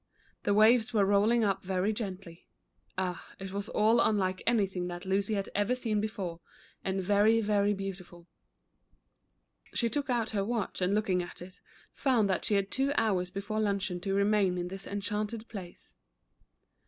The waves were rolling up very gently, — ah, it was all unlike any thing that Lucy had ever seen before, and very, very beautiful. She took out her w^atch and look ing at it, found that she had two hours before luncheon to remain in this enchanting place.